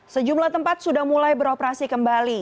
sejumlah tempat sudah mulai beroperasi kembali